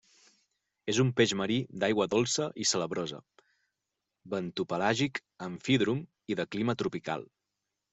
És un peix marí, d'aigua dolça i salabrosa; bentopelàgic; amfídrom i de clima tropical.